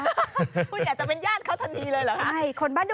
คุณอยากจะเป็นญาติเขาทันทีเลยเหรอคะ